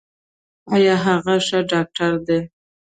ایا هغه ښه ډاکټر دی؟